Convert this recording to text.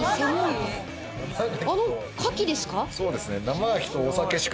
あの牡蠣ですか？